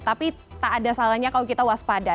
tapi tak ada salahnya kalau kita waspada